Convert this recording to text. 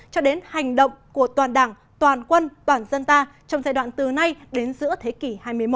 cho đến hành động của toàn đảng toàn quân toàn dân ta trong giai đoạn từ nay đến giữa thế kỷ hai mươi một